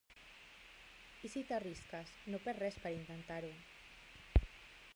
I si t'hi arrisques? No perds res per intentar-ho.